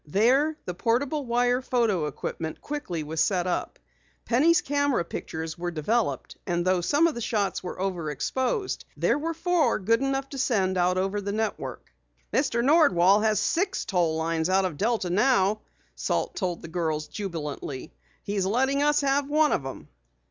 There the portable wire photo equipment quickly was set up. Penny's camera pictures were developed, and though some of the shots were over exposed there were four good enough to send over the network. "Mr. Nordwall has six toll lines out of Delta now," Salt told the girls jubilantly. "He's letting us have one of them."